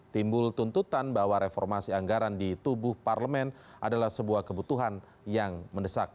timbul tuntutan bahwa reformasi anggaran di tubuh parlemen adalah sebuah kebutuhan yang mendesak